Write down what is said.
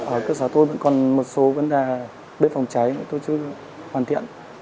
ở cơ sở tôi vẫn còn một số vấn đề về phòng cháy mà tôi chưa hoàn thiện